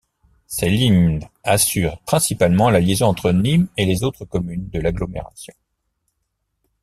Ces lignes assurent principalement la liaison entre Nîmes et les autres communes de l'agglomération.